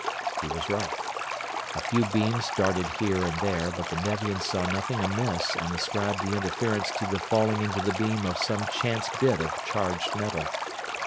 He was right. A few beams darted here and there, but the Nevians saw nothing amiss and ascribed the interference to the falling into the beam of some chance bit of charged metal.